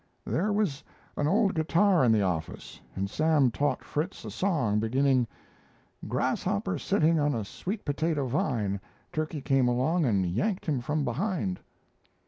"There was an old guitar in the office and Sam taught Fritz a song beginning: "Grasshopper sitting on a sweet potato vine, Turkey came along and yanked him from behind."